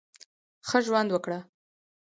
ښه ژوند وکړه !